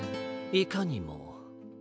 いかにも。